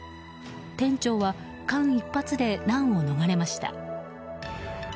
店長は間一髪で難を逃れました。